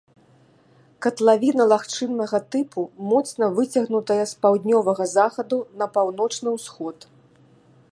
Катлавіна лагчыннага тыпу, моцна выцягнутая з паўднёвага захаду на паўночны ўсход.